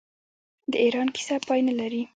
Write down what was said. د ایران کیسه پای نلري.